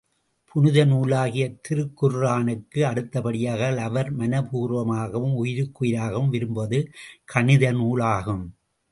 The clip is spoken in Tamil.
புனித நூலாகிய திருக்குர்ஆனுக்கு அடுத்தபடியாக, அவர் மனப்பூர்வமாகவும் உயிருக்குயிராகவும் விரும்புவது கணிதநூல் ஆகும்.